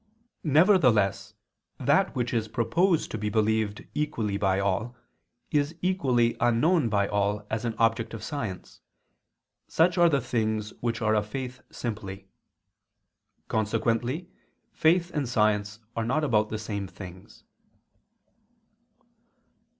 Nevertheless that which is proposed to be believed equally by all, is equally unknown by all as an object of science: such are the things which are of faith simply. Consequently faith and science are not about the same things.